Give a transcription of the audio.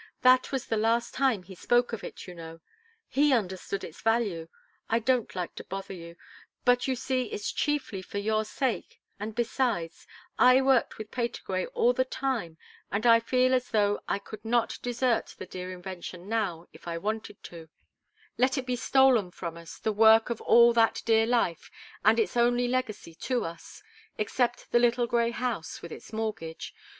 That was the last time he spoke of it, you know. He understood its value. I don't like to bother you, but you see it's chiefly for your sake, and, besides, I worked with Patergrey all the time and I feel as though I could not desert the dear invention now, if I wanted to let it be stolen from us, the work of all that dear life, and its only legacy to us, except the little grey house, with its mortgage.